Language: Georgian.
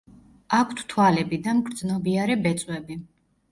აქვთ თვალები და მგრძნობიარე ბეწვები.